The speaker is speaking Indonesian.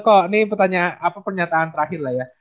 kok ini pertanyaan apa pernyataan terakhir lah ya